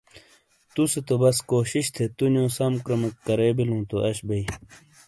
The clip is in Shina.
توسے تو بس کوشش تھے تونیو سم کرومیک کرے بیلوں تو آش بئے